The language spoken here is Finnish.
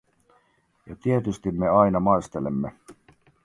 Ja tietysti me aina maistelemme.